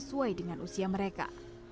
sesuai dengan usia mereka